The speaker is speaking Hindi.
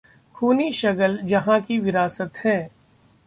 खूनी शगल जहां की विरासत है